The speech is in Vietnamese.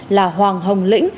là hoàng hồng lĩnh